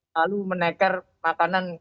lalu meneker makanan